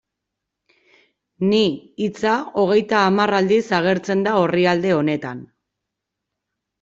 Ni hitza hogeita hamar aldiz agertzen da orrialde honetan.